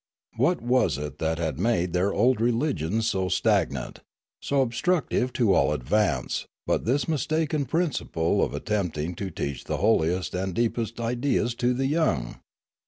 What was it that had made their old religions so stagnant, so obstructive to all advance, but this mistaken principle of attempting to teach the holiest and deepest ideas to the young!